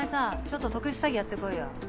ちょっと特殊詐欺やってこいよ。